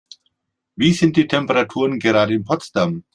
Wie sind die Temperaturen gerade in Potsdam?